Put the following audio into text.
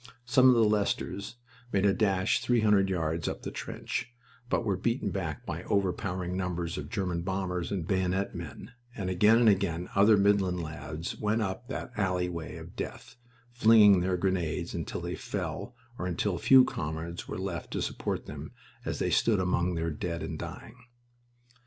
Some of the Leicesters made a dash three hundred yards up the trench, but were beaten back by overpowering numbers of German bombers and bayonet men, and again and again other Midland lads went up that alleyway of death, flinging their grenades until they fell or until few comrades were left to support them as they stood among their dead and dying.